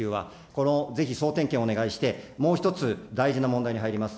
このぜひ総点検をお願いしてもう１つ大事な問題に入ります。